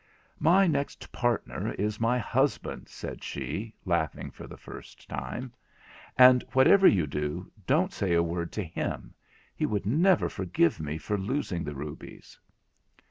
'My next partner is my husband,' said she, laughing for the first time, 'and whatever you do, don't say a word to him. He would never forgive me for losing the rubies.'